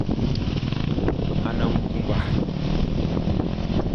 A ne nkunba.